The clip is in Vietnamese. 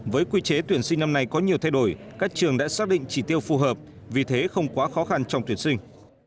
với quy chế tuyển sinh năm nay có nhiều thay đổi các trường đã xác định chỉ tiêu phù hợp vì thế không quá khó khăn trong tuyển sinh